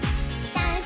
ダンス！」